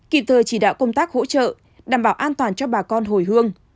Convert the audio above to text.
kịp thời chỉ đạo công tác hỗ trợ đảm bảo an toàn cho bà con hồi hương